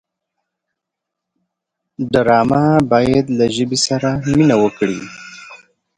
ډرامه باید له ژبې سره مینه وکړي